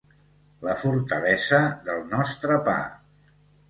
La fortalesa del nostre pa